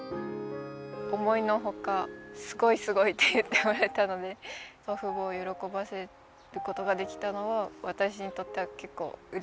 思いの外「すごいすごい！」って言ってもらえたので祖父母を喜ばせることができたのは私にとっては結構うれしいことです。